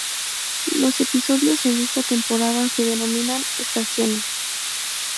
Los episodios en esta temporada se denominan "Estaciones"